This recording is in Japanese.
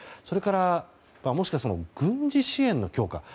それからもしかすると軍事支援の強化